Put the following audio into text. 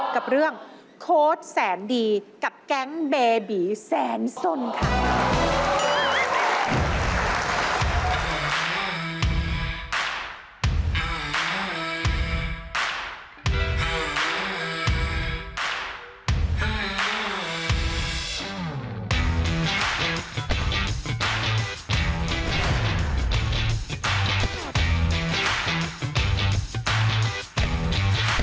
กับเรื่องโค้ดแสนดีกับแก๊งเบบีแสนสนค่ะ